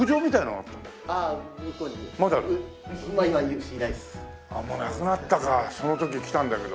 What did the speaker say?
ああもうなくなったかその時来たんだけど。